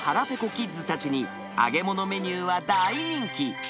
キッズたちに、揚げ物メニューは大人気。